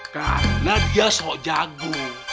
karena dia sok jago